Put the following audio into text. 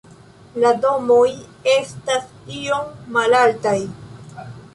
La domoj estas iom malaltaj.